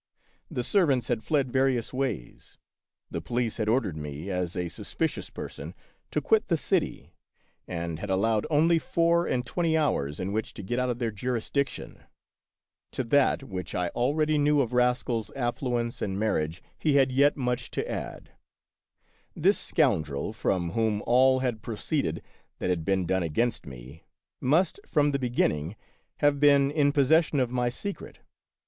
The servants had fled various ways. The police had ordered me, as a suspicious person, to quit the city, and had allowed only four and twenty hours in which to get out of their jurisdiction. To that which I already knew of Rascal's affluence and marriage 82 The Wonde^'ful History he had yet much to add. This scoundrel, from whom all had proceeded that had been done against me, must, from the beginning, have been in possession of my secret.